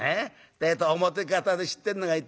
てえと表方で知ってんのがいてよ。